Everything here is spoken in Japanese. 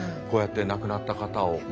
こうやって亡くなった方を。